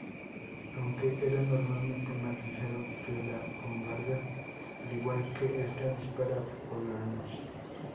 Aunque era normalmente más ligero que la bombarda, al igual que esta, disparaba bolaños.